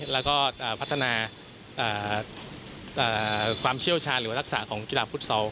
แล้วก็พัฒนาความเชี่ยวชาญหรือว่ารักษาของกีฬาฟุตซอล